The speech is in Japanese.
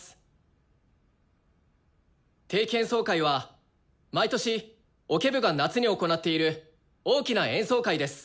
定期演奏会は毎年オケ部が夏に行っている大きな演奏会です。